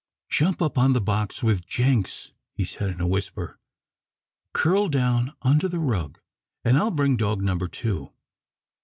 "Jump up on the box with Jenks," he said in a whisper. "Curl down under the rug, and I'll bring dog number two.